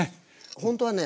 ほんとはね